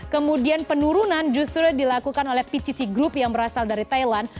kemudian penurunan justru dilakukan oleh pct group yang berasal dari thailand